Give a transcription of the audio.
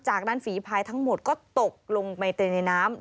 จากนั้นฝีพายทั้งหมดก็ตกลงไปในน้ำ